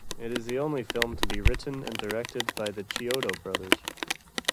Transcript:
It is the only film to be written and directed by the Chiodo Brothers.